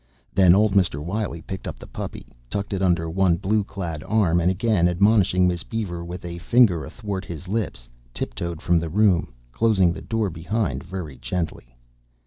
Then old Mr. Wiley picked up the puppy, tucked it under one blue clad arm and again admonishing Miss Beaver with a finger athwart his lips, tiptoed from the room, closing the door behind very gently.